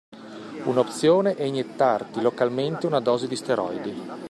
Un'opzione è iniettarti localmente una dose di steroidi.